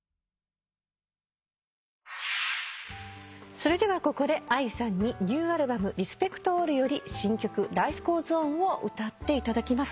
それではここでＡＩさんにニューアルバム『ＲＥＳＰＥＣＴＡＬＬ』より新曲『ＬｉｆｅＧｏｅｓＯｎ』を歌っていただきます。